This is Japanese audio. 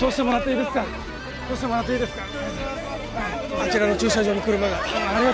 あちらの駐車場に車が。